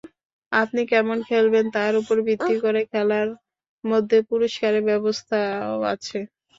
আপনি কেমন খেলবেন, তার ওপর ভিত্তি করে খেলার মধ্যে পুরস্কারের ব্যবস্থাও আছে।